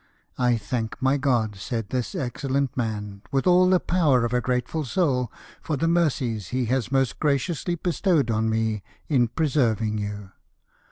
" I thank my God," said this excellent man, "with all the power of a grateful soul, for the mercies He has most graciously bestowed on me in preserving you.